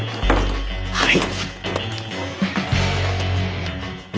はい。